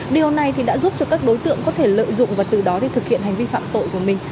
điều này thì đã giúp cho các đối tượng có thể lợi dụng và từ đó để thực hiện hành vi phạm tội của mình